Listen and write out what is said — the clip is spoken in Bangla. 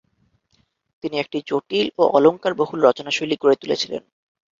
তিনি একটি জটিল ও অলংকারবহুল রচনাশৈলী গড়ে তুলেছিলেন।